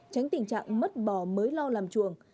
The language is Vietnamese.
tránh tình trạng mất bò mới lo làm chuồng